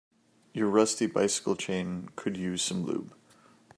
Your rusty bicycle chain could use some lube.